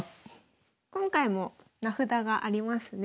今回も名札がありますね。